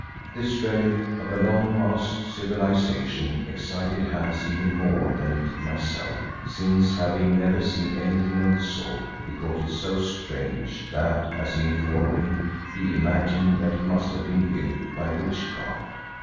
This relic of a long past civilisation excited Hans even more than it did myself, since having never seen anything of the sort, he thought it so strange that, as he informed me, he imagined that it must have been built by witchcraft.